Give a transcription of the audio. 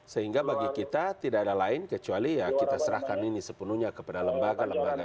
sehingga bagi kita tidak ada lain kecuali ya kita serahkan ini sepenuhnya kepada lembaga lembaga